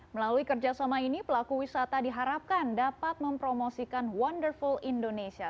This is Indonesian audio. melalui kerjasama ini pelaku wisata diharapkan dapat mempromosikan wonderful indonesia